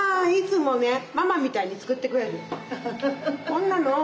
いつもねママみたいに作ってくれる。